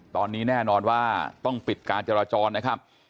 ตอนนี้แน่นอนว่าต้องปิดการจราจรนะครับ